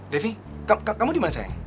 devi kamu di mana saya